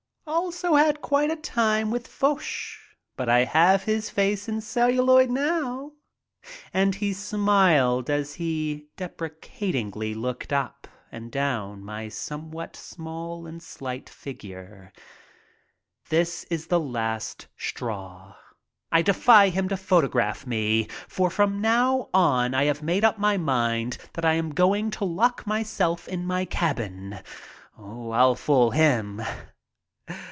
Also had quite a time with Foch, but I have his face in celluloid now." And he smiled as he deprecatingly looked up and down my some what small and slight figure. This is the last straw. I defy him to photograph me. For from now on I have made up my mind that I am going to lock myself in my cabin — I'll fool him.